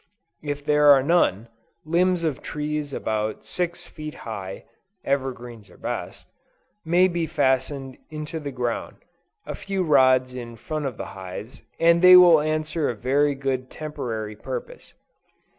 If there are none, limbs of trees about six feet high, (evergreens are best,) may be fastened into the ground, a few rods in front of the hives, and they will answer a very good temporary purpose.